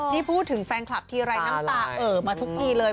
นี่พูดถึงแฟนคลับทีไรน้ำตาเอ่อมาทุกทีเลย